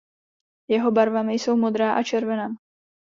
Jeho barvami jsou modrá a červená.